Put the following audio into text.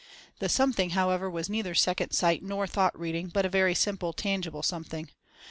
The "something" however, was neither second sight nor thought reading, but a very simple, tangible "something."